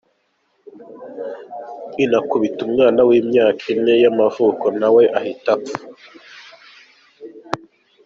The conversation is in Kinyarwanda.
Inakubita umwana w’imyaka ine y’amavuko nawe ahita apfa.